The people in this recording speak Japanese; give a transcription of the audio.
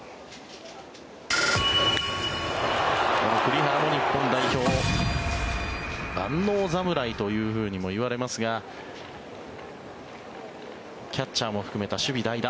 この栗原も日本代表万能侍というふうにも言われますがキャッチャーも含めた守備代打